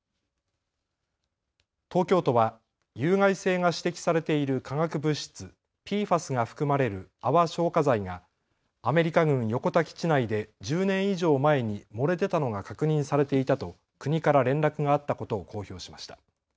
東京都は有害性が指摘されている化学物質、ＰＦＡＳが含まれる泡消火剤がアメリカ軍横田基地内で１０年以上前に漏れ出たのが確認されていたと国から連絡があったことを公表しました。